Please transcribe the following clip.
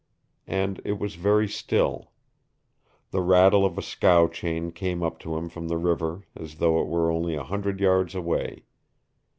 And it was very still. The rattle of a scow chain came up to him from the river as though it were only a hundred yards away.